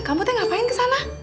kamu tete ngapain kesana